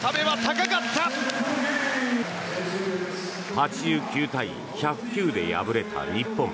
８９対１０９で敗れた日本。